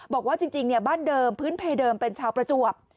บอกว่าจริงบ้านเดิมพื้นเพเดิมเป็นชาวประจวบ